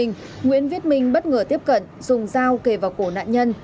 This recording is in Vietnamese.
nguyễn viết minh bất ngờ tiếp cận dùng dao kề vào cổ nạn nhân